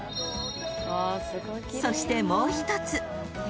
［そしてもう一つ］